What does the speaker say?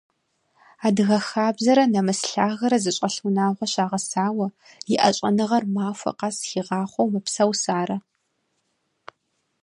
Адыгэ хабзэрэ нэмыс лъагэрэ зыщӏэлъ унагъуэ щагъэсауэ, иӏэ щӏэныгъэр махуэ къэс хигъахъуэу мэпсэу Сарэ.